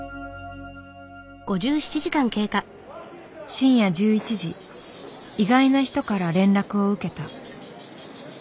深夜１１時意外な人から連絡を受けた。